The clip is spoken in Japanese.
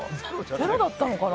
ゼロだったのかな？